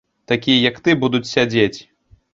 Такія, як ты, будуць сядзець!